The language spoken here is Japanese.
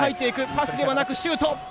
パスではなくシュート。